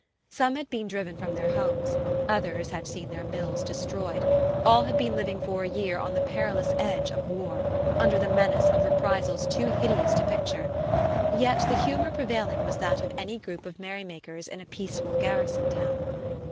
Some had been driven from their homes, others had seen their mills destroyed, all had been living for a year on the perilous edge of war, under the menace of reprisals too hideous to picture; yet the humour prevailing was that of any group of merry makers in a peaceful garrison town.